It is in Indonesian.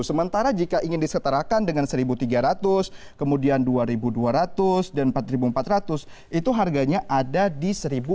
sementara jika ingin diseterakan dengan seribu tiga ratus kemudian dua ribu dua ratus dan empat ribu empat ratus itu harganya ada di seribu empat ratus enam puluh tujuh